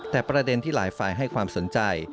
แต่ประเด็นที่หลายฝ่ายให้ความสนใจ